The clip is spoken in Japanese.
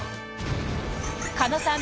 狩野さん